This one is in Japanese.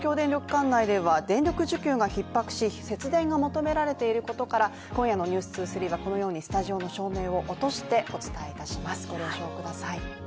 管内では電力需給がひっ迫し節電が求められていることから今夜の「ｎｅｗｓ２３」はこのようにスタジオの照明を落としてお伝えいたします、ご了承ください。